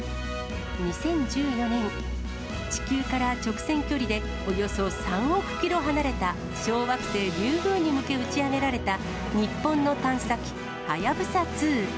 ２０１４年、地球から直線距離でおよそ３億キロ離れた、小惑星リュウグウに向け打ち上げられた日本の探査機、はやぶさ２。